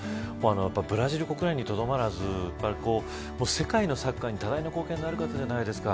ブラジル国内にとどまらず世界のサッカーに多大な貢献のある方じゃないですか。